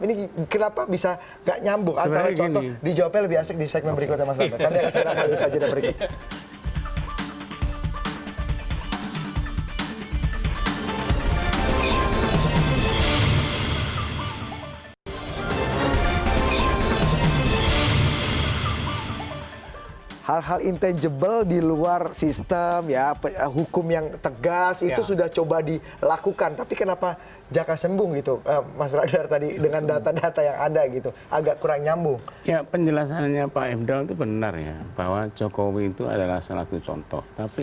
ini kenapa bisa tidak nyambung antara contoh